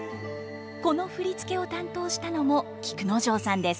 この振り付けを担当したのも菊之丞さんです。